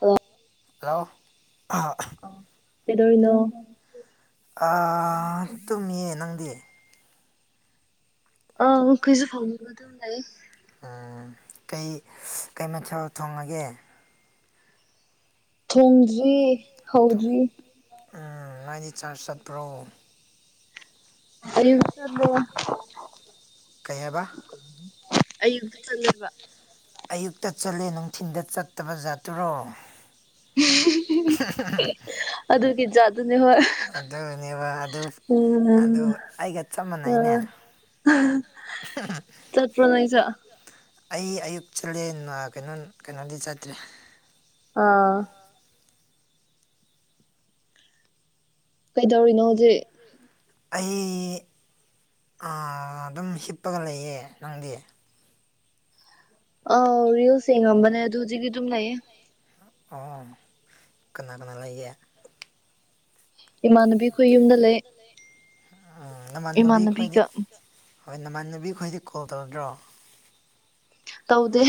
hello ꯌꯥꯑꯣ ꯀꯩꯗꯧꯔꯤꯅꯣ ꯑ ꯇꯨꯝꯃꯤꯌꯦ ꯅꯪꯗꯤ ꯑ ꯀꯩꯁꯨ ꯐꯥꯎꯒ ꯊ ꯂꯩ ꯎꯝ ꯀꯩ ꯀꯩ ꯃꯊꯦꯜ ꯊꯣꯡꯉꯒꯦ ꯊꯣꯡꯗ꯭ꯔꯤ ꯍꯗ꯭ꯔꯤ ꯎꯝ ꯉꯥꯏꯗꯤ ꯆꯥꯔꯖ ꯆꯠꯄ꯭ꯔꯣ ꯑꯔꯤꯂꯣ ꯀꯌꯥꯕꯥ ꯑꯌꯨꯛꯇ ꯆꯠꯂꯦꯕ ꯑꯌꯨꯛꯇ ꯆꯠꯂꯦ ꯅꯨꯡꯊꯤꯤꯟꯗ ꯆꯠꯇꯕ ꯖꯥꯠꯇꯨꯔꯣ [inaudible] [inaudible] ꯑꯗꯨ ꯀꯖꯥ ꯑꯗꯨꯅꯦ ꯍꯣꯏ ꯑꯗꯨꯅꯦꯕ ꯑꯗꯨ ꯎꯝ ꯑꯗꯨ ꯑꯩꯒ ꯆꯞ ꯃꯥꯟꯅꯩꯅꯦ ꯆꯠꯄꯅ ꯆ ꯑꯩ ꯑꯌꯨꯛ ꯆꯨꯔꯦ ꯀꯩꯅꯣ ꯀꯩꯅꯣꯗꯤ ꯆꯠꯇ꯭ꯔꯦ ꯑꯥ ꯀꯩꯗꯧꯔꯤꯅꯣ ꯍꯧꯖꯤꯛ ꯑꯩ ꯑꯗꯨꯝ ꯍꯤꯞꯄꯒ ꯂꯩꯌꯦ ꯅꯪꯗꯤ ꯑꯥꯎ ꯔꯤꯜꯁ ꯌꯦꯝꯕꯅꯦ ꯑ ꯍꯧꯖꯤꯛꯀꯤ ꯑꯗꯨꯝ ꯂꯩꯌꯦ ꯑꯣ ꯀꯅꯥ ꯀꯅꯥ ꯂꯩꯒꯦ ꯏꯃꯥꯟꯅꯕꯤ ꯑꯩꯈꯣꯏ ꯌꯨꯝꯗ ꯂꯩ ꯎꯝ ꯅꯃꯥꯟꯅꯕꯤ ꯈꯣꯏꯗꯤ ꯏꯃꯥꯟꯅꯕꯤꯒ ꯍꯣꯏ ꯅꯃꯥꯟꯅꯕꯤ ꯈꯣꯏꯗꯤ ꯀꯣꯜ ꯇꯧꯔꯗ꯭ꯔꯣ ꯇꯧꯗꯦ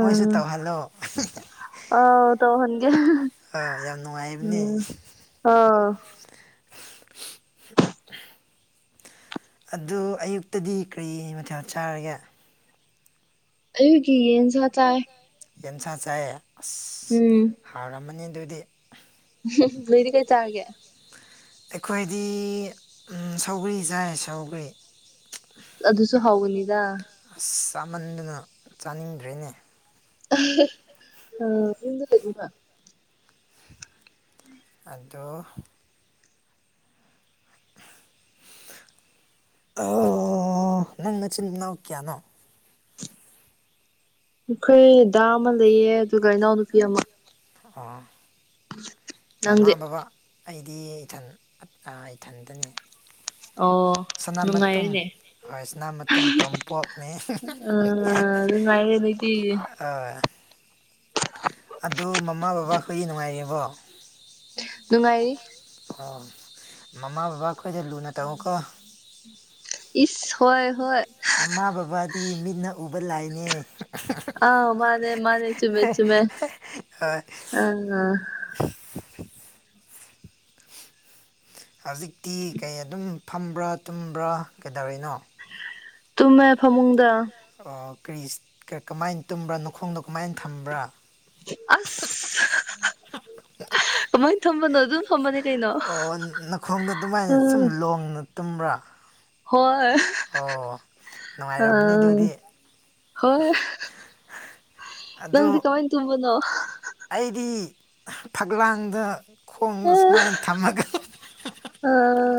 ꯃꯣꯏꯁꯨ ꯇꯧꯍꯜꯂꯣ ꯑ ꯇꯧ ꯎꯝ ꯑꯥ ꯌꯥꯝ ꯅꯨꯡꯉꯥꯏꯕꯅꯦ ꯑꯣꯥꯎ ꯑꯗꯨ ꯑꯌꯨꯛꯇꯗꯤ ꯀꯔꯤ ꯃꯊꯦꯜ ꯆꯥꯔꯒꯦ ꯑꯒꯤ ꯌꯦꯟꯁ ꯆꯥꯏ ꯌꯦꯟꯁꯥ ꯆꯥꯏꯌꯦ ꯑꯁ ꯎꯝ ꯍꯥꯥꯎꯔꯝꯃꯅꯤ ꯑꯗꯨꯗꯤ ꯃꯣꯏꯗꯤ ꯀꯩ ꯆꯥꯒꯦ ꯑꯩꯈꯣꯏꯗꯤ ꯁꯧꯒ꯭ꯔꯤ ꯆꯥꯏ ꯁꯧꯒꯔꯤ ꯑꯗꯨꯁꯨ ꯍꯥꯎꯅꯤꯗ ꯑꯁ ꯆꯥꯃꯟꯗꯨꯅ ꯆꯥꯅꯤꯡꯗ꯭ꯔꯦꯅꯦ ꯑ ꯏ ꯂꯩꯒꯕ ꯑꯗꯣ [unintelligible] ꯑꯣ ꯅꯪ ꯆꯤꯟ ꯅꯣꯀꯌꯥꯅꯣ ꯑꯩꯈꯣꯏ ꯗꯥ ꯑꯃ ꯂꯩꯌꯦ ꯑꯗꯨꯒ ꯏꯅꯥꯎꯅꯨꯄꯤ ꯑꯃ ꯑꯣ ꯅꯪꯗꯤ ꯃꯃꯥ ꯕꯥ ꯑꯩꯗꯤ ꯏꯊꯟ ꯏꯊꯟꯗꯅꯦ ꯑꯣ ꯅꯨꯡꯉꯥꯏꯔꯅꯦ ꯍꯣꯏꯁꯤꯅ ꯃꯇ ꯇꯣꯝ ꯄꯣꯛꯞꯅꯤ ꯑꯥ ꯅꯨꯡꯉꯥꯏꯔꯦ ꯅꯣꯏꯗꯤ ꯑꯥ ꯑꯗꯨ ꯃꯃꯥ ꯕꯕꯥꯈꯣꯏꯒꯤ ꯅꯨꯡꯉꯥꯏꯔꯤꯕꯣ ꯅꯨꯡꯉꯥꯏꯔꯤ ꯑꯣ ꯃꯃꯥ ꯕꯕꯥ ꯑꯩꯈꯣꯏꯗ ꯂꯨꯅ ꯇꯧꯉꯨꯀꯣ ꯏꯁ ꯍꯣꯏ ꯍꯣꯏ ꯃꯥ ꯕꯕꯥꯗꯤ ꯃꯤꯠꯅ ꯎꯕ ꯂꯥꯏꯅꯦ ꯑꯥ ꯍ ꯍ ꯑ ꯍꯧꯖꯤꯛꯇꯤ ꯀꯩ ꯑꯗꯨꯝ ꯐꯝꯕ꯭ꯔꯥ ꯇꯨꯝꯕ꯭ꯔꯥ ꯀꯩꯗꯧꯔꯤꯅꯣ ꯇꯨꯃꯦ ꯐꯃꯨꯡꯗ ꯑꯣ ꯀꯔꯤ ꯀꯃꯥꯏꯅ ꯇꯨꯝꯕ꯭ꯔꯥ ꯈꯣꯡꯗꯣ ꯀꯃꯥꯏꯅ ꯊꯝꯕ꯭ꯔꯥ ꯑꯁ ꯀꯃꯥꯏꯅ ꯊꯝꯕꯅꯣ ꯑꯗꯨꯝ ꯊꯝꯕꯅꯦ ꯀꯩꯅꯣ ꯑꯣ ꯈꯣꯡꯗ ꯑꯗꯨꯃꯥꯏꯅ ꯁꯨꯝ ꯑꯥ ꯂꯣꯡꯅ ꯇꯨꯝ꯭ꯔꯥ ꯑ ꯅꯨꯡꯉꯥꯏꯔꯝꯅꯤ ꯑꯗꯨꯗꯤ ꯍꯣꯏ ꯑꯗꯨ ꯅꯪꯗꯤ ꯀꯃꯥꯏꯟ ꯇꯨꯝꯕ ꯅ ꯑꯩꯗꯤ ꯐꯛꯂꯥꯡꯗ ꯈꯣꯡꯗ ꯑꯥ ꯁꯨꯃꯥꯏꯅ ꯊꯝꯃꯒ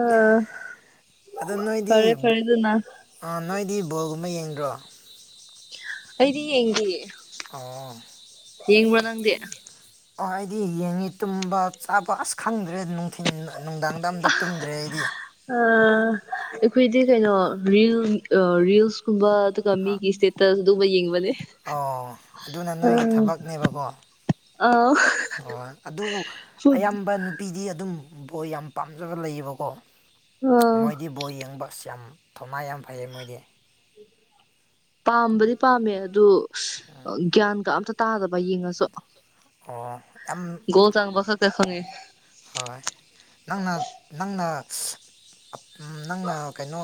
ꯎꯝ ꯑꯗꯣ ꯅꯣꯏꯗꯤ ꯅꯣꯏꯗꯤ ꯕꯣꯜꯒꯨꯝꯕ ꯌꯦꯡꯗ꯭ꯔꯣ ꯑꯩꯗꯤ ꯌꯦꯡꯒ ꯑꯣ ꯅꯪꯗꯤ ꯑꯣ ꯑꯩꯗꯤ ꯌꯦꯡꯉꯤ ꯇꯨꯝꯕ ꯆꯥꯕ ꯑꯁ ꯈꯪꯗ꯭ꯔꯦ ꯅꯨꯡꯊꯤꯤꯟ ꯅꯨꯡꯗꯥꯡꯗ ꯑꯝꯇ ꯇꯨꯝꯗ꯭ꯔꯦ ꯑꯩꯗꯤ ꯑꯥ ꯑꯩꯈꯣꯏꯗꯤ ꯀꯩꯅꯣ ꯔꯤꯜ ꯔꯤꯜꯁ ꯀꯨꯝꯕ ꯑꯗꯨꯒ ꯃꯤꯒꯤ ꯏꯁꯇꯦꯇꯁ ꯑꯗꯨꯒꯨꯝꯕ ꯌꯦꯡꯕꯅꯦ ꯑꯣ ꯑꯗꯨꯅ ꯅꯣꯏꯒꯤ ꯊꯕꯛꯅꯦꯕꯀꯣ ꯑ ꯍ ꯑꯗꯨꯕꯨ ꯐꯨꯠ ꯑꯌꯥꯝꯕ ꯅꯨꯄꯤꯗꯤ ꯑꯗꯨꯝ ꯕꯣ ꯌꯥꯝ ꯄꯥꯝꯖꯕ ꯂꯩꯌꯦꯕꯀꯣ ꯑ ꯃꯣꯏꯗꯤ ꯕꯣ ꯌꯦꯡꯕ ꯑꯁ ꯌꯥꯝ ꯊꯧꯅꯥ ꯌꯥꯝ ꯐꯩ ꯃꯣꯏꯗꯤ ꯄꯥꯝꯕꯗꯤ ꯄꯥꯝꯃꯦ ꯑꯗꯨ ꯒ꯭ꯌꯥꯟꯒ ꯑꯝꯇ ꯇꯥꯗꯕ ꯌꯦꯡꯉꯁꯨ ꯑꯣ ꯌꯥꯝ ꯣꯜ ꯆꯕꯈ ꯀ ꯍꯣꯏ ꯅꯪꯅ ꯅꯪꯅ [unintelligible] ꯅꯪꯅ ꯀꯩꯅꯣ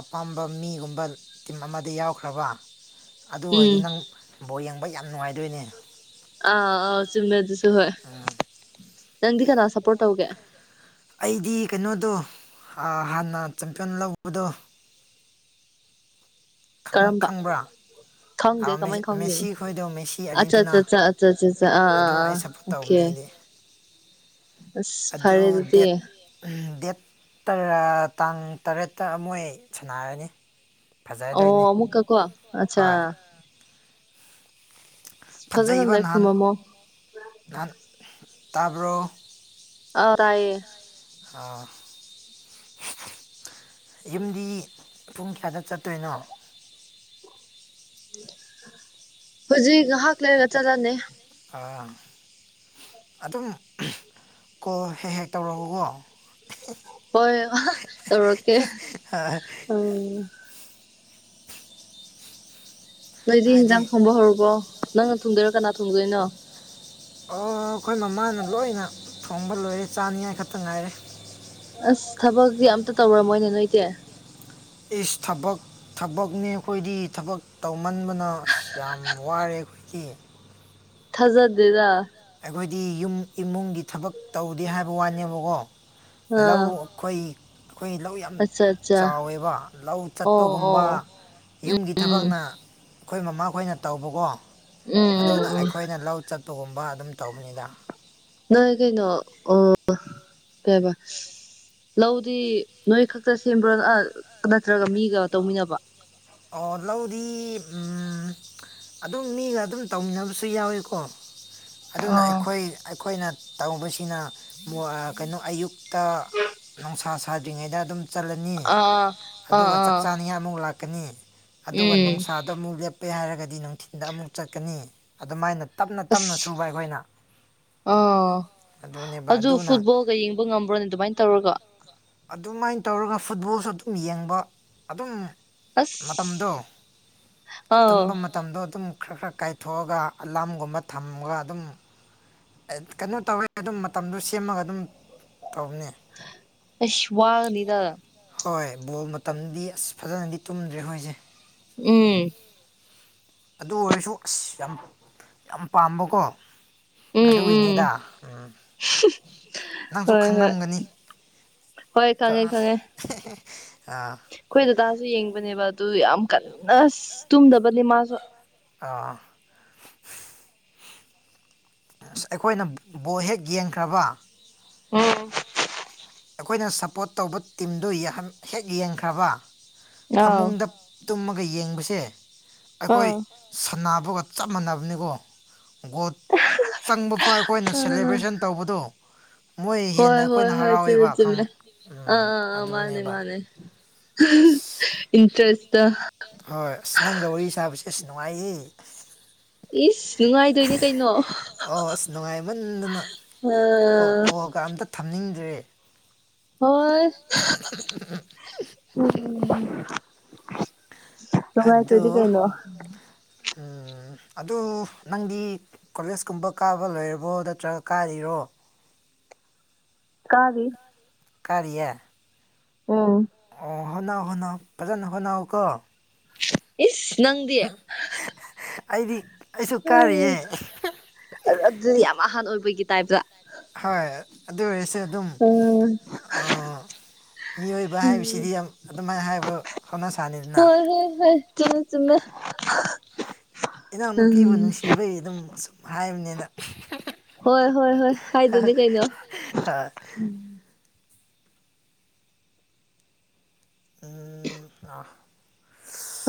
ꯑꯄꯥꯝꯕ ꯃꯤꯒꯨꯝꯕ ꯇꯤꯝ ꯑꯃꯗ ꯌꯥꯎꯈ꯭ꯔꯕ ꯑꯗꯨ ꯎꯝ ꯑꯣꯏꯔꯗꯤ ꯅꯪ ꯕꯣꯔ ꯌꯦꯡꯕ ꯌꯥꯝ ꯅꯨꯡꯉꯥꯏꯗꯣꯏꯅꯦ ꯑꯥ ꯑꯥꯎ ꯆꯃꯦ ꯑꯗꯨ ꯑ ꯅꯪꯗꯤ ꯀꯅꯥ ꯁꯞꯄꯣꯔꯠ ꯇꯧꯒꯦ ꯑꯩꯗꯤ ꯀꯩꯅꯣꯗꯣ ꯍꯥꯟꯅ ꯆꯝꯄꯤꯌꯟ ꯂꯧꯕꯗꯣ [inaudible] ꯈꯪꯕ꯭ꯔꯥ ꯑꯥ, ꯈꯥꯎꯗꯦ ꯃꯦꯁꯤ ꯃꯦꯁꯤ ꯀꯃꯥꯏ ꯈꯣꯏꯗꯣ ꯃꯦꯁꯤ ꯈꯥꯎꯗꯦ ꯑꯥꯔꯖꯦꯟꯇꯤꯅꯥ ꯑꯆꯥ ꯑ ꯑ ꯑꯣ ꯑ ꯑꯁ ꯐꯔꯦ ꯑꯗꯨꯗꯤ ꯎꯝ, ꯗꯦꯠ ꯇꯥꯡ ꯇꯔꯦꯠꯇ ꯃꯣꯏ ꯁꯥꯟꯅꯔꯅꯤ ꯑꯣ ꯐꯖꯗꯣꯏꯅꯤ ꯑꯃꯃꯨꯛꯀ ꯀ ꯑꯆꯥ ꯍꯣꯏ ꯐꯖꯅ ꯐꯖꯩꯕ ꯂꯥꯏ ꯅꯍꯥꯟ ꯈꯨꯔꯨꯝꯃꯝꯃꯣ ꯅꯍꯥꯟ ꯇꯥꯕ꯭ꯔꯣ ꯑ ꯇꯑꯌꯦ ꯑꯥ ꯌꯨꯝꯗꯤ ꯄꯨꯡ ꯀꯌꯥꯗ ꯆꯠꯇꯣꯏꯅꯣ ꯍꯧꯖꯤꯛ ꯉꯥꯏꯍꯥꯛ ꯂꯩꯔꯒ ꯆꯠꯂꯅꯤ ꯑꯥ ꯑꯗꯨꯝ ꯀꯣ ꯍꯦꯛ ꯍꯦꯛ ꯇꯧꯔꯛꯎꯀꯣ ꯍꯣꯏ ꯇꯧꯔꯀꯦ ꯎꯝ ꯅꯣꯏꯗꯤ ꯍꯥꯏꯗꯤ ꯌꯦꯟꯖꯥꯡ ꯊꯣꯡꯕ ꯍꯧꯔꯕꯣ ꯅꯪꯅ ꯊꯣꯡꯗꯣꯏꯔꯣ ꯀꯅꯥ ꯊꯣꯡꯗꯣꯏꯅꯣ ꯑꯣ ꯑꯩꯈꯣꯏ ꯃꯃꯥꯅ ꯂꯣꯏꯅ ꯊꯣꯡꯕ ꯂꯣꯏꯔꯦ ꯆꯥꯅꯤꯉꯥꯏ ꯈꯛꯇ ꯉꯥꯏꯔꯦ ꯑꯁ ꯊꯕꯛꯛꯇꯤ ꯑꯝꯇ ꯇꯧꯔꯃꯣꯏꯅꯦ ꯅꯣꯏ ꯏꯗꯤ ꯏꯁ ꯊꯕꯛ ꯊꯕꯛꯅꯦ ꯑꯩꯈꯣꯏꯗꯤ ꯊꯕꯛ ꯇꯧꯃꯟꯕꯅ ꯑꯁ ꯌꯥꯝ ꯋꯥꯔꯦ ꯑꯩꯈꯣꯏ ꯊꯖꯗꯦꯗ ꯑꯩꯈꯣꯏꯗꯤ ꯌꯨꯝ ꯏꯃꯨꯡꯒꯤ ꯊꯕꯛ ꯇꯧꯗꯦ ꯍꯥꯏꯕ ꯋꯥꯅꯦꯕꯀꯣ ꯂꯧ ꯑꯥ ꯑꯩꯈꯣꯏ ꯑꯩꯈꯣꯏ ꯂꯧ ꯌꯥꯝ ꯑꯠꯆꯥ ꯑꯠꯆꯥ ꯆꯥꯎꯋꯦꯕ ꯂꯧ ꯑꯣ ꯊꯠꯄꯒꯨꯝꯕ ꯑꯣ ꯌꯨꯝꯒꯤ ꯎꯝ ꯊꯕꯛꯅ ꯑꯩꯈꯣꯏ ꯃꯃꯥꯈꯣꯏꯅ ꯇꯧꯕꯀꯣ ꯎꯝ ꯎꯝ ꯑꯗꯨꯅ ꯎꯝ ꯑꯩꯈꯣꯏꯅ ꯂꯧ ꯆꯠꯄꯒꯨꯝꯕ ꯑꯗꯨꯝ ꯇꯧꯕꯅꯤꯅ ꯅ ꯀꯩꯅ ꯑ ꯀꯕ ꯂꯧꯗꯤ ꯅꯣꯏ ꯈꯛꯇ ꯁꯦꯝꯕ꯭ꯔꯣ ꯅꯠꯇ꯭ꯔꯒ ꯃꯤꯒ ꯇꯧꯃꯤꯟꯅꯕ ꯂꯧꯗꯤ ꯑꯗꯨꯝ ꯃꯤꯒ ꯑꯗꯨꯝ ꯇꯧꯃꯤꯟꯅꯕꯁꯨ ꯌꯥꯎꯋꯤꯀꯣ ꯑꯗꯨꯅ ꯑꯥ ꯑꯩꯈꯣꯏ ꯑꯩꯈꯣꯏꯅ ꯇꯧꯕꯁꯤꯅ ꯀꯩꯅꯣ ꯑꯌꯨꯛ ꯇ ꯅꯨꯡꯁꯥ ꯁꯥꯗ꯭ꯔꯤꯉꯩꯗ ꯑꯗꯨꯝ ꯆꯜꯂꯅꯤ ꯑꯥ ꯑꯗꯨꯒ ꯑꯥ ꯆꯥꯛ ꯑꯥ ꯆꯥꯅꯤꯡꯉꯥꯏ ꯑꯃꯨꯛ ꯂꯥꯛ ꯆꯠꯀꯅꯤ ꯑꯗꯨꯒ ꯎꯝ ꯅꯨꯡꯁꯥꯗ ꯑꯃꯨꯛ ꯂꯦꯞꯄꯦ ꯍꯥꯏꯔꯒꯗꯤ ꯅꯨꯡꯊꯤꯟꯗ ꯑꯃꯨꯛ ꯆꯠꯀꯅꯤ ꯑꯗꯨꯃꯥꯏꯅ ꯇꯞꯅ ꯇꯞꯅ ꯑꯁ ꯁꯨꯕ ꯑꯩꯈꯣꯏꯅ ꯑꯥ ꯑꯗꯨꯅꯦꯕ ꯑꯗꯨ ꯑꯗꯨꯅ ꯐꯨꯠꯕꯣꯜꯒ ꯌꯦꯡꯕ ꯉꯝꯕ꯭ꯔꯣꯅꯦ ꯑꯗꯨꯃꯥꯏꯅ ꯇꯧꯔꯒ ꯑꯗꯨꯃꯥꯏꯅ ꯇꯧꯔꯒ ꯐꯨꯠꯕꯣꯜꯁꯨ ꯑꯗꯨꯝ ꯌꯦꯡꯕ ꯑꯗꯨꯝ ꯃꯇꯝꯗꯣ ꯑꯁ ꯇꯨꯝꯕ ꯑꯥꯎ ꯃꯇꯝꯗꯣ ꯑꯗꯨꯝ ꯈꯔ ꯈꯔ ꯀꯥꯏꯊꯣꯛꯑꯒ ꯑꯂꯥꯝꯒꯨꯝꯕ ꯊꯝꯃꯒ ꯑꯗꯨꯝ ꯀꯩꯅꯣ ꯇꯧꯋꯦ ꯑꯗꯨꯝ ꯃꯇꯝꯗꯣ ꯁꯦꯝꯃꯒ ꯑꯗꯨꯝ ꯇꯧꯕꯅꯦ ꯑ ꯁ ꯋꯥꯒꯅꯤ ꯇꯥ ꯍꯣꯏ ꯕꯣꯜ ꯃꯇꯝꯗꯤ ꯑꯁ ꯐꯖꯅꯗꯤ ꯇꯨꯝꯗ꯭ꯔꯦ ꯍꯣꯏꯁꯦ ꯎꯝ ꯑꯗꯨ ꯑꯣꯏꯔꯁꯨ ꯑꯁ ꯌꯥꯝ ꯌꯥꯝ ꯄꯥꯝꯕꯀꯣ ꯎꯝ ꯎꯝ ꯑꯗꯨꯒꯤꯅꯤꯗ ꯎꯝ ꯅꯪꯁꯨ ꯍꯣꯏ ꯍꯣꯏ ꯈꯪꯂꯝꯝꯒꯅꯤ ꯍꯣꯏ ꯈꯪꯉꯦ ꯈꯪꯉꯦ ꯑꯩꯈꯣꯏ ꯗꯗꯥꯁꯨ ꯌꯦꯡꯕꯅꯦꯕ ꯑꯗꯨ ꯌꯥꯝ ꯀꯟꯅ ꯇꯨꯝꯗꯕꯅꯦ ꯃꯥꯁꯨ ꯑꯥ ꯁ ꯑꯩꯈꯣꯏꯅ ꯕꯣ ꯍꯦꯛ ꯌꯦꯡꯈ꯭ꯔꯕ ꯎꯝ ꯑꯩꯈꯣꯏꯅ ꯁꯞꯄꯣꯔꯠ ꯇꯧꯕ ꯇꯤꯝꯗꯨ ꯍꯦꯛ ꯌꯦꯡꯈ꯭ꯔꯕ ꯑꯥꯎ ꯐꯃꯨꯡꯗ ꯇꯨꯝꯃꯒ ꯌꯦꯡꯕꯁꯦ ꯑꯩꯈꯣꯏ ꯑꯥ ꯁ ꯑꯗꯨꯒ ꯆꯞ ꯃꯥꯟꯅꯕꯅꯤꯀꯣ ꯒꯣꯗ ꯆꯪꯕ ꯐꯥꯎ ꯑꯩꯈꯣꯏꯅ ꯑꯥ ꯁꯦꯂꯦꯕ꯭ꯔꯦꯁꯟ ꯇꯧꯕꯗꯣ ꯃꯣꯏ ꯍꯣꯏ ꯍꯦꯟꯅ ꯍꯣꯏ ꯑꯩꯈꯣꯏꯅ ꯍꯣꯏ ꯍꯔꯥꯎꯋꯦꯕ ꯈꯪ ꯆ ꯎꯝ ꯑ ꯃꯥꯅꯦ ꯑꯗꯨꯅꯦꯕ ꯃꯥꯅꯦ ꯏ ꯍꯣꯏ ꯑꯁ ꯅꯪꯒ ꯋꯥꯔꯤ ꯁꯥꯕꯁꯦ ꯑꯁ ꯅꯨꯡꯉꯥꯏꯌꯦ ꯏꯁ ꯅꯨꯡꯉꯥꯏꯗꯣꯏꯅꯦ ꯀꯩꯅꯣ ꯑꯣ ꯑꯁ ꯅꯨꯡꯉꯥꯏꯃꯟꯗꯅ ꯑꯥ ꯀꯣꯒ ꯑꯝꯇ ꯊꯝꯅꯤꯡꯗ꯭ꯔꯦ ꯍꯣꯏ ꯎ ꯅꯨꯡꯉꯥꯏꯇ꯭ꯔꯗꯤ ꯀꯩꯅꯣ ꯎ ꯑꯗꯨ ꯅꯪꯗꯤ ꯀꯣꯂꯦꯖꯀꯨꯝꯕ ꯀꯥꯕ ꯂꯣꯏꯔꯕꯣ ꯅꯠꯇ꯭ꯔꯒ ꯀꯥꯔꯤꯔꯣ ꯀꯥꯕꯤ ꯀꯔꯤꯌꯥ ꯑꯣ ꯑꯣ ꯍꯅꯥ ꯍꯅ ꯐꯖꯅ ꯍꯅꯥꯎ ꯀꯣ ꯏꯁ ꯅꯪꯗꯤ ꯑꯩꯗꯤ ꯑꯩꯁꯨ ꯎ ꯀꯥꯔꯤꯌꯦ ꯑꯗꯨꯗꯤ ꯌꯥꯝ ꯑꯍꯥꯟ ꯑꯣꯏꯕꯒꯤ ꯇꯥꯏꯞꯇ ꯍꯣꯏ ꯑꯗꯨ ꯑꯣꯏꯁꯦ ꯎꯝ ꯑꯥ ꯃꯤꯑꯣꯏꯕ ꯍꯥꯏꯕꯁꯤꯗꯤ ꯑꯗꯨꯃꯥꯏꯅ ꯍꯥꯏꯕ ꯍꯣꯠꯅꯁꯥꯅꯤꯗꯅ ꯆꯣ ꯆꯃꯦ ꯏꯅꯥꯎ ꯅꯨꯄꯤꯕꯨ ꯅꯨꯡꯁꯤꯕꯩ ꯑꯗꯨꯝ ꯁꯁꯨꯝ ꯍꯥꯏꯕꯅꯤꯅ ꯍꯣꯏ ꯍꯣꯏ ꯍꯣꯏ ꯍꯥꯏꯗꯅꯦ ꯀꯩꯅꯣ ꯍꯣꯏ ꯎꯝ ꯑ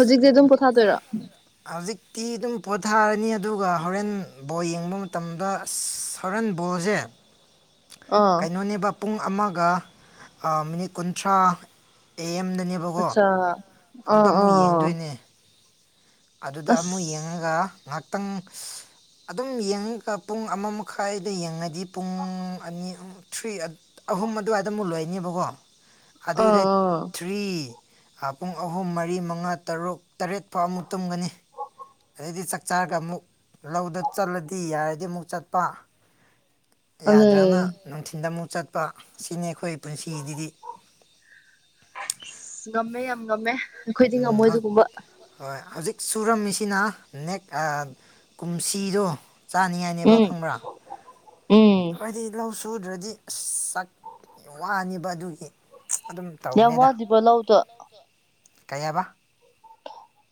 ꯍꯧꯖꯤꯛꯇꯤ ꯑꯗꯨꯝ ꯄꯣꯊꯥꯗꯣꯏꯔꯣ ꯇꯤ ꯑꯗꯨꯝ ꯄꯣꯊꯥꯔꯅꯤ ꯑꯗꯨꯒ ꯍꯣꯔꯦꯟ ꯕꯣꯜ ꯌꯦꯡꯕ ꯃꯇꯝꯗ ꯑ ꯍꯣꯔꯦꯟ ꯕꯣꯜꯁꯦ [unintelligible] [unintelligible] ꯑꯥ ꯀꯩꯅꯣꯅꯦꯕ ꯄꯨꯡ ꯑꯃꯒ ꯃꯤꯅꯤꯠ ꯀꯨꯟꯊ꯭ꯔꯥ ꯄ ꯑꯦꯝꯗꯅꯦꯕꯀꯣ ꯑꯠꯆꯥ ꯑꯗꯨꯗ ꯑꯥ ꯑꯃꯨꯛ ꯑꯥ ꯌꯦꯡꯗꯣꯏꯅꯦ ꯑꯗꯨꯗ ꯑꯃꯨꯛ ꯑꯁ ꯌꯦꯡꯉꯒ ꯉꯥꯏꯍꯥꯛꯇꯪ ꯑꯗꯨꯝ ꯌꯦꯡꯉꯒ ꯄꯨꯡ ꯑꯃ ꯃꯈꯥꯏꯗ ꯌꯦꯡꯉꯗꯤ ꯄꯨꯡ ꯑꯅꯤ ꯊ꯭ꯔꯤ ꯑꯍꯨꯝ ꯑꯗꯨꯋꯥꯏꯗ ꯑꯃꯨꯛ ꯂꯣꯏꯅꯦꯕꯀꯣ ꯑꯥ ꯑꯗꯨꯗꯩ ꯑꯥ ꯊ꯭ꯔꯤ ꯄꯨꯡ ꯑꯍꯨꯝ ꯃꯔꯤ ꯃꯉꯥ ꯇꯔꯨꯛ ꯇꯔꯦꯠ ꯐꯥꯎ ꯑꯃꯨꯛ ꯇꯨꯝꯒꯅꯤ ꯑꯗꯩꯗꯤ ꯆꯥꯛ ꯆꯥꯔꯒ ꯑꯃꯨꯛ ꯂꯧꯗ ꯆꯠꯂꯗꯤ ꯌꯥꯔꯗꯤ ꯑꯃꯨꯛ ꯆꯠꯄ ꯑꯗꯨꯅꯦ ꯌꯥꯗ꯭ꯔꯥꯅ ꯅꯨꯡꯊꯤꯟꯜꯗ ꯑꯃꯨꯛ ꯆꯠꯄ ꯁꯤꯅꯤ ꯑꯩꯈꯣꯏ ꯄꯨꯟꯁꯤꯒꯤꯗꯤ ꯑꯁ ꯉꯝꯃꯦ ꯌꯥꯝ ꯉꯝꯃꯦ ꯑꯩꯈꯣꯏꯗꯤ ꯉꯝꯃꯣꯏ ꯑꯗꯨꯒꯨꯝꯕ ꯍꯣꯏ ꯍꯧꯖꯤꯛ ꯁꯨꯔꯝꯃꯤꯁꯤꯅ ꯅꯦꯛ ꯀꯨꯝꯁꯤꯗꯣ ꯆꯥꯅꯤꯉꯥꯏꯅꯦꯕ ꯎꯝ ꯈꯪꯕ꯭ꯔꯥ ꯎꯝ ꯍꯥꯏꯗꯤ ꯂꯧ ꯁꯨꯗ꯭ꯔꯗꯤ ꯑꯁ ꯆꯥꯛ ꯋꯥꯅꯤꯕ ꯑꯗꯨꯒꯤ ꯑꯗꯨꯝ ꯌꯥꯝ ꯋꯥꯂꯤꯕ꯭ꯔꯣ ꯂꯥꯎꯗ ꯀꯌꯥꯕ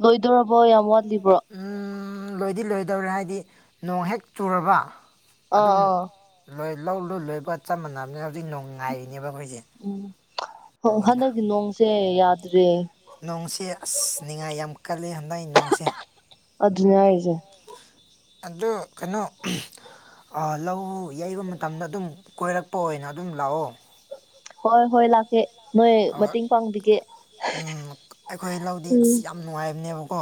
ꯂꯣꯏꯗꯣꯔꯕꯣ ꯌꯥꯝ ꯋꯥꯠꯂꯤꯕ꯭ꯔꯣ ꯂꯣꯏꯗꯤ ꯂꯣꯏꯗꯧꯔꯦ ꯍꯥꯏꯗꯤ ꯅꯣꯡ ꯍꯦꯛ ꯆꯨꯔꯕ ꯑꯥ ꯑꯥ ꯂꯣꯏ ꯂꯧ ꯂꯣꯏ ꯂꯣꯏꯕ ꯆꯞ ꯃꯥꯟꯅꯕꯅꯦ ꯎꯝ ꯑꯗꯨꯒꯤꯅꯤꯗ ꯍꯟꯗꯛꯀꯤ ꯅꯣꯡꯁꯦ ꯌꯥꯗ꯭ꯔꯦ ꯅꯣꯡꯁꯤ ꯑꯁ ꯅꯤꯡꯉꯥꯏ ꯌꯥꯝ ꯀꯜꯂꯤ ꯑꯗꯨꯅꯦ ꯍꯥꯏꯁꯦ ꯑꯗꯣ ꯀꯩꯅꯣ ꯂꯧ ꯌꯩꯕ ꯃꯇꯝꯗ ꯑꯗꯨꯝ ꯀꯣꯏꯔꯛꯄ ꯑꯣꯏꯅ ꯑꯗꯨꯝ ꯂꯥꯛꯑꯣ ꯍꯣꯏ ꯍꯣꯏ ꯂꯥꯛꯀꯦ ꯅꯣꯏ ꯑ ꯃꯇꯦꯡ ꯄꯥꯡꯕꯤꯒꯦ ꯎꯝ ꯑꯩꯈꯣꯏ ꯂꯧꯗꯤ ꯑꯁ ꯎꯝ ꯌꯥꯝ ꯅꯨꯡꯉꯥꯏꯕꯅꯦꯕꯀꯣ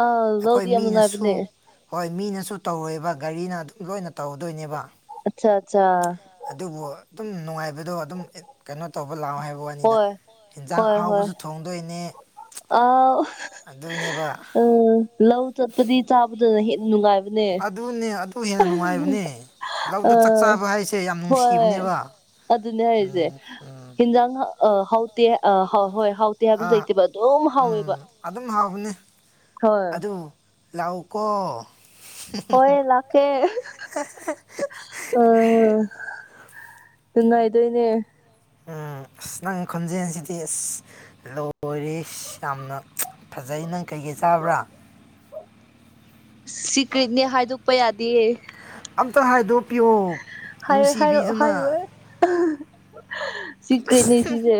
ꯑꯥ ꯑꯩꯈꯣꯏ ꯂꯧꯗꯤ ꯌꯥꯝ ꯃꯤꯅꯁꯨ ꯅꯨꯡꯉꯥꯏꯕꯅꯦ ꯍꯣꯏ ꯃꯤꯅꯁꯨ ꯇꯧꯔꯣꯏꯕ ꯒꯥꯔꯤꯅ ꯑꯗꯨ ꯂꯣꯏꯅ ꯇꯧꯗꯣꯏꯅꯦꯕ ꯑꯆꯥ ꯑꯆꯥ ꯑꯗꯨꯕꯨ ꯑꯗꯨꯝ ꯅꯨꯡꯉꯥꯏꯕꯗꯣ ꯑꯗꯨꯝ ꯀꯩꯅꯣ ꯇꯧꯕ ꯂꯥꯛꯑꯣ ꯍꯥꯏꯕ ꯌꯦꯟꯖꯥꯡ ꯑꯍꯥꯎꯕꯁꯨ ꯊꯣꯡꯗꯣꯏꯅꯤ ꯑ ꯑꯗꯨꯅꯦꯕ ꯑ ꯂꯧ ꯆꯠꯄꯗꯤ ꯆꯥꯕꯗ ꯑ ꯑꯗꯨꯅꯦ ꯑꯗꯨ ꯍꯦꯟꯅ ꯅꯨꯡꯉꯥꯏꯕꯅꯦ ꯂꯧꯗ ꯆꯥꯛ ꯆꯥꯕ ꯍꯥꯏꯁꯦ ꯌꯥꯝ ꯍꯣꯏ ꯅꯨꯡꯁꯤꯕꯅꯦꯕ ꯑꯗꯨꯅꯦ ꯍꯥꯏꯔꯤꯁꯦ ꯎꯝ ꯎꯝ ꯌꯦꯟꯖꯥꯡ ꯑ ꯍꯥꯎꯇꯦ ꯑ ꯍ ꯍꯣꯏ ꯍꯥꯎꯇꯦ ꯍꯥꯏꯕꯁꯨ ꯂꯩꯇꯦꯕ ꯑꯗꯨꯝ ꯍꯥꯎꯋꯦꯕ ꯕꯅ ꯍꯣꯏ ꯂꯥꯎꯀꯣ ꯍꯌꯦ ꯂꯥꯛꯀꯦ ꯑꯝ ꯏꯉꯥꯏꯗꯅꯦ ꯎꯝ ꯑꯁ ꯅꯪ ꯈꯣꯟꯖꯦꯜꯁꯤꯗꯤ ꯑꯁ ꯂꯣꯏꯔ ꯌꯥꯝꯅ ꯐꯖꯩ ꯅꯪ ꯀꯩꯀꯩ ꯆꯥꯕ꯭ꯔꯥ ꯁꯤꯀꯔꯤꯗꯅꯦ ꯍꯥꯏꯗꯣꯛꯄ ꯌꯥꯗꯌꯦꯦ ꯑꯝꯇ ꯍꯥꯏꯗꯣꯛꯄꯤꯌꯣ ꯍꯥꯏ ꯍꯥꯏꯔꯑꯣ ꯅꯨꯡꯁꯤꯕꯤꯗꯨꯅ ꯍꯥꯏꯔꯑꯣꯦ ꯁꯤ ꯀꯩꯅꯤ ꯁꯤꯁꯦ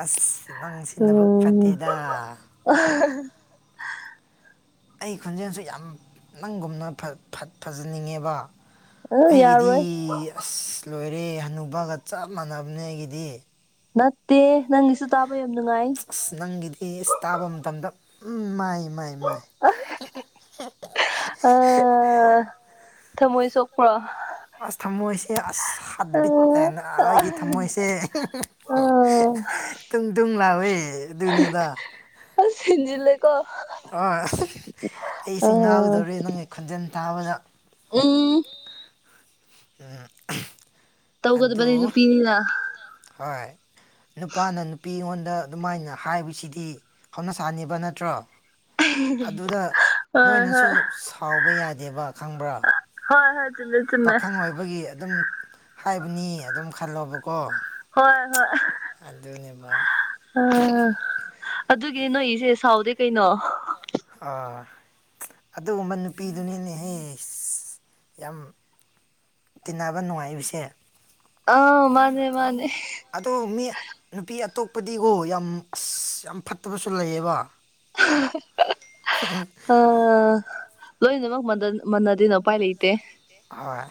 ꯑꯁ ꯅꯪ ꯁꯤꯅꯕꯨ ꯎꯝ ꯐꯠꯇꯦꯗ ꯑꯩ ꯈꯣꯟꯖꯦꯜꯁꯨ ꯌꯥꯝ ꯅꯪꯒꯨꯝꯅ ꯐꯖꯅꯤꯡꯉꯦꯕ ꯑ ꯑꯩꯒꯤꯗꯤ ꯌꯥꯔꯣꯏ ꯑꯁ ꯂꯣꯏꯔꯦ ꯍꯅꯨꯕꯒ ꯆꯞ ꯃꯥꯟꯅꯕꯅꯦ ꯑꯩꯒꯤꯗꯤ ꯅꯠꯇꯦ ꯅꯪꯒꯤꯁꯨ ꯇꯥꯕ ꯌꯥꯝ ꯅꯨꯡꯉꯥꯏ ꯑꯁ ꯅꯪꯒꯤꯗꯤ ꯇꯥꯕ ꯃꯇꯝꯗ ꯎꯝ ꯃꯥꯏ ꯃꯥꯏ ꯃꯥꯏ ꯑ ꯊꯃꯣꯏ ꯁꯣꯛꯄ꯭ꯔꯣ ꯑꯁ ꯊꯝꯃꯣꯏꯁꯦ ꯑꯁ ꯍꯥꯠꯕꯤꯠ ꯍꯥꯏꯅ ꯑꯩꯒꯤ ꯊꯝꯃꯣꯏꯁꯦ ꯇꯨꯡ ꯇꯨꯡ ꯂꯥꯎꯋꯦ ꯗꯨꯅꯤꯗ ꯑꯁ ꯍꯦꯟꯖꯤꯜꯂꯦꯀꯣ ꯑ ꯑꯩꯁꯦ ꯉꯥꯎꯒꯗꯧꯔꯦ ꯅꯪꯒꯤ ꯈꯣꯟꯖꯦꯜ ꯇꯥꯕꯗ ꯇ ꯑ ꯇꯧꯒꯗꯕꯅꯤ ꯅꯨꯄꯤꯅ ꯍꯣꯏ ꯅꯨꯄꯥꯅ ꯅꯨꯄꯤ ꯑꯩꯉꯣꯟꯗ ꯑꯗꯨꯃꯥꯏꯅ ꯍꯥꯏꯕꯁꯤꯗꯤ ꯍꯧꯅꯁꯥꯅꯦꯕ ꯅꯠꯇ꯭ꯔꯣ ꯑꯗꯨꯗ ꯍꯣꯏ ꯅꯣꯏꯅꯁꯨ ꯍꯣꯏ ꯁꯥꯎꯕ ꯌꯥꯗꯦꯕ ꯈꯪꯕ꯭ꯔꯥ ꯍꯣꯏ ꯍꯣꯏ ꯆꯨꯝꯃꯦ ꯆꯨꯝꯃꯦ ꯄꯥꯈꯪ ꯑꯣꯏꯕꯒꯤ ꯑꯗꯨꯝ ꯍꯥꯏꯕꯅꯤ ꯑꯗꯨꯝ ꯈꯜꯂꯣꯕꯀꯣ ꯍꯣꯏ ꯍꯣꯏ ꯑꯗꯨꯅꯦꯕ ꯎꯝ ꯑꯗꯨꯒꯤ ꯅꯣꯏ ꯏꯁꯦ ꯁꯥꯎꯗꯦ ꯀꯩꯅꯣ ꯑꯥ ꯑꯗꯨꯒꯨꯝꯕ ꯅꯨꯄꯤꯗꯨꯅꯤꯅꯦꯍ ꯌꯥꯝ ꯇꯤꯟꯅꯕ ꯅꯨꯡꯉꯥꯏꯕꯁꯦ ꯑꯥ ꯃꯥꯅꯦ ꯃꯥꯅꯦ ꯑꯇꯣꯞꯄꯗꯤꯒꯣ ꯌꯥꯝ ꯑꯁ ꯌꯥꯝ ꯐꯠꯇꯕꯁꯨ ꯂꯩꯌꯦꯕ ꯑꯝ ꯂꯣꯏꯅꯃꯛ ꯃꯟꯅꯗꯦꯅ ꯎꯄꯥꯏ ꯂꯩꯇꯦ ꯑ